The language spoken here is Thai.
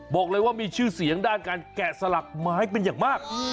บอกเลยว่ามีชื่อเสียงด้านการแกะสลักไม้เป็นอย่างมาก